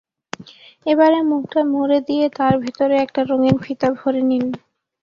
এবারে মুখটা মুড়ে দিয়ে তার ভেতরে একটা রঙিন ফিতা ভরে নিন।